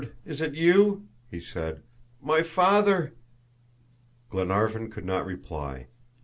Is it you!" he said; "my father!" Glenarvan could not reply.